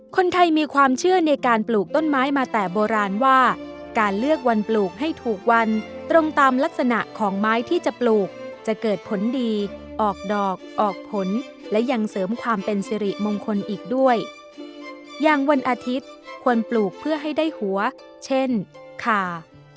คนไทยมีความเชื่อในการปลูกต้นไม้มาแต่โบราณว่าการเลือกวันปลูกให้ถูกวันตรงตามลักษณะของไม้ที่จะปลูกจะเกิดผลดีออกดอกออกผลและยังเสริมความเป็นสิริมงคลอีกด้วยอย่างวันอาทิตย์ควรปลูกเพื่อให้ได้หัวเช่นคา